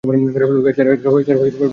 তুমি পূর্ণমনোরথ হইয়াছ।